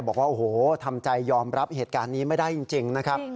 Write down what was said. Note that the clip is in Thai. บอกว่าโอ้โหทำใจยอมรับเหตุการณ์นี้ไม่ได้จริงนะครับ